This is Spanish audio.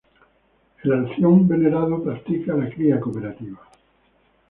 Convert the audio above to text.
El alción venerado practica la cría cooperativa.